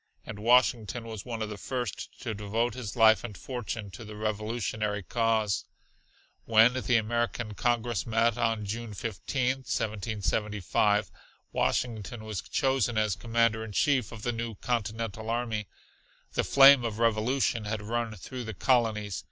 And Washington was one of the first to devote his life and fortune to the Revolutionary cause. When the American Congress met on June 15, 1775, Washington was chosen as Commander in Chief of the new continental army. The flame of revolution had run through the colonies.